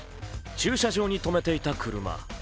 駐車場に止めていた車。